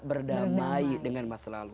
berdamai dengan masa lalu